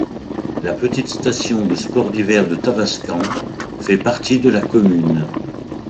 La petite station de sports d'hiver de Tavascan fait partie de la commune.